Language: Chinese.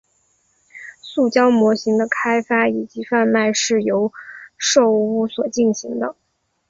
塑胶模型的开发以及贩售是由寿屋所进行的。